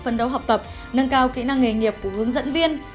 phân đấu học tập nâng cao kỹ năng nghề nghiệp của hướng dẫn viên